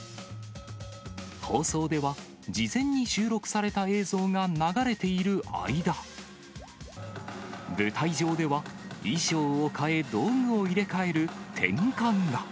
放送では、事前に収録された映像が流れている間、舞台上では、衣装を変え、道具を入れ替える転換が。